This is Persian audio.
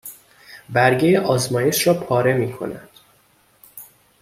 برگه آزمایش را پاره می کند